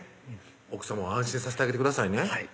奥さまを安心させてあげてくださいね